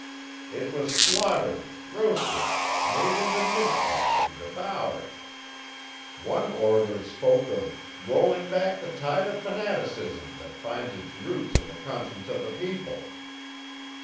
It was slaughtered, roasted, made into mincemeat and devoured. One orator spoke of "rolling back the tide of fanaticism that finds its root in the conscience of the people."